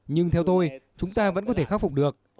nhưng theo tôi chúng ta vẫn có thể khắc phục được